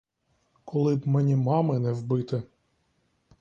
Коли б мені мами не вбити!